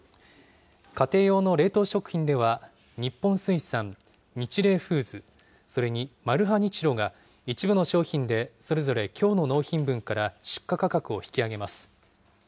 家庭用の冷凍食品では、日本水産、ニチレイフーズ、それにマルハニチロが、一部の商品でそれぞれきょうの納品分から出荷価格を引き上げます。